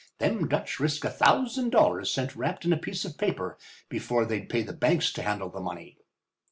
Them Dutch risk a thousand dollars sent wrapped in a piece of paper before they'd pay the banks to handle the money."